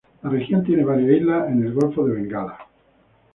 La región tiene varias islas en el golfo de Bengala.